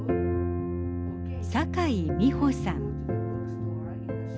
坂井美穂さん。